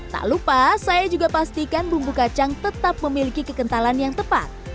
tak lupa saya juga pastikan bumbu kacang tetap memiliki kekentalan yang tepat